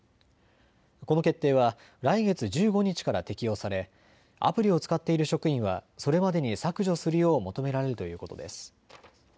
この決定は来月１５日から適用されアプリを使っている職員はそれまでに削除するよう求められるということです。